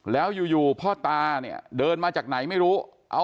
แล้วอยู่พ่อตาเนี่ยเดินมาจากไหนไม่รู้